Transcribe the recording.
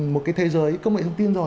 một cái thế giới công nghệ thông tin rồi